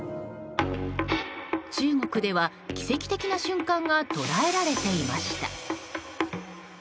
中国では奇跡的な瞬間が捉えられていました。